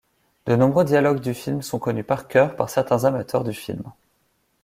De nombreux dialogues du film sont connus par cœur par certains amateurs du film.